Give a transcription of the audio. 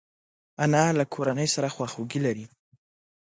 انا له کورنۍ سره خواخوږي لري